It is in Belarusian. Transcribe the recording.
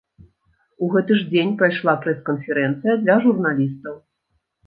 У гэты ж дзень прайшла прэс-канферэнцыя для журналістаў.